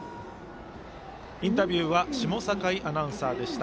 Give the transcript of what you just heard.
インタビューは下境アナウンサーでした。